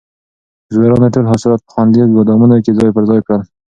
بزګرانو ټول حاصلات په خوندي ګودامونو کې ځای پر ځای کړل.